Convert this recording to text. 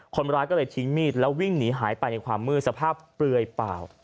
คนร้ายก็เลยทิ้งมีดแล้ววิ่งหนีหายไปในความมืดสภาพเปลือยเปล่า